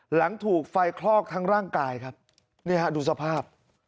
หลังถูกไฟคลอกทั้งร่างกายครับนี่ฮะดูสภาพ